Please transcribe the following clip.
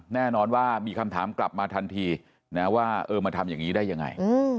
แน่นอนว่ามีคำถามกลับมาทันทีนะว่าเออมาทำอย่างนี้ได้ยังไง